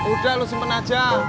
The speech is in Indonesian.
udah lu simpen aja